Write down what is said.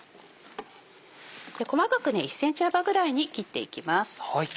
細かく１ｃｍ幅ぐらいに切っていきます。